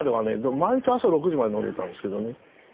毎日朝６時まで飲んでたんですけどね。